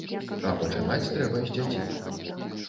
А пачынаць трэба з дзяцей.